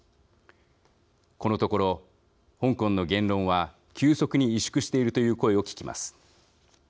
このところ、香港の言論は急速に萎縮しているという声を聞きます。